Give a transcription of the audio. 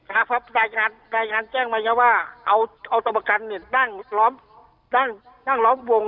ครับครับรายงานแจ้งมาอย่างนี้ว่าเอาตรมกันเนี่ยนั่งล้อมนั่งล้อมวง